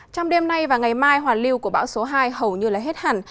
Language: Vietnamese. trong đêm nay và ngày mai hoàn lưu của bão số hai hầu như là hết hẳn